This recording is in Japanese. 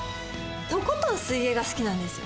とことん、水泳が好きなんですよ。